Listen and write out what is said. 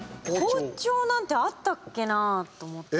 包丁なんてあったっけなと思って。